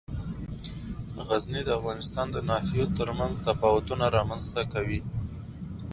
غزني د افغانستان د ناحیو ترمنځ تفاوتونه رامنځ ته کوي.